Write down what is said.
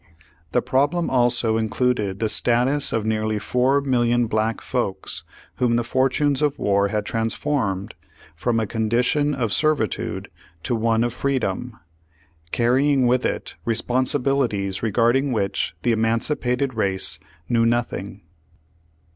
The problem also in cluded the status of nearly four million black folks whom the fortunes of war had transformed from a condition of servitude to one of freedom, carrying with it responsibilities regarding which the emancipated race knew nothing.